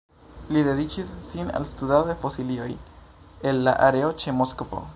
Li dediĉis sin al studado de fosilioj el la areo ĉe Moskvo.